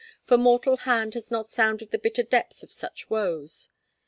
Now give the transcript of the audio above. For mortal hand has not sounded the bitter depth of such woes.